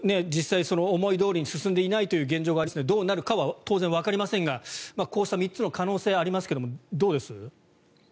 実際、思いどおりに進んでいないという現状がありますのでどうなるかは当然わかりませんがこの３つの可能性がありますけど、どうです？